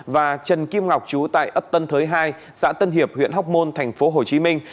và trần kim ngọc chú tại ấp tân thới hai xã tân hiệp huyện học môn thành phố hồ chí minh